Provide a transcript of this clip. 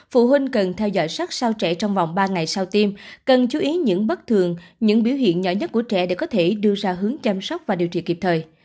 phụ huynh cần theo dõi sát sao trẻ trong vòng ba ngày sau tiêm cần chú ý những bất thường những biểu hiện nhỏ nhất của trẻ để có thể đưa ra hướng chăm sóc và điều trị kịp thời